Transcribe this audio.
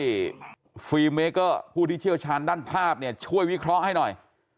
ฟรีเมเกอร์ผู้ที่เชี่ยวชาญด้านภาพเนี่ยช่วยวิเคราะห์ให้หน่อย